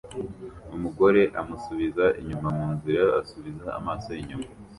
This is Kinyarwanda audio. Umugore amusubiza inyuma munzira asubiza amaso inyuma